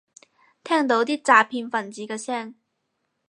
聽到啲詐騙份子嘅聲